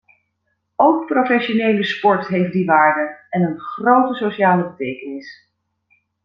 Ook professionele sport heeft die waarde en een grote sociale betekenis.